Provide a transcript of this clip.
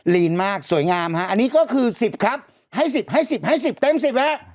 ลีนมากสวยงามฮะอันนี้ก็คือ๑๐ครับให้๑๐ให้๑๐ให้๑๐เต็ม๑๐แล้ว